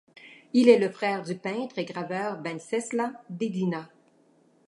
Il est le frère du peintre et graveur Venceslas Dédina.